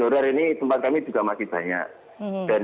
oh ya ini ada dua hal pertama itu kebijakannya pemain